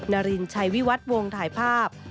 นารินชัยวิวัตวงถ่ายภาพ